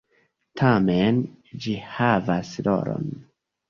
Tamen, ĝi havas rolon.